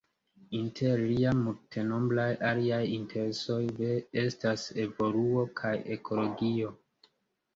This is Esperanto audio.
Inter liaj multenombraj aliaj interesoj estas evoluo kaj ekologio.